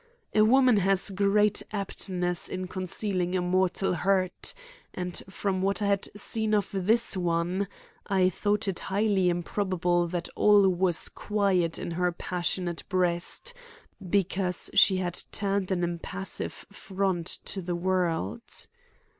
A woman has great aptness in concealing a mortal hurt, and, from what I had seen of this one, I thought it highly improbable that all was quiet in her passionate breast because she had turned an impassive front to the world.